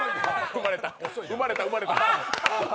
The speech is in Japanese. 生まれた、生まれた。